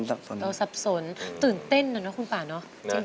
มีรู้สินที่สับสนตื่นเต้นนั่นนะคุณป่าเนอะ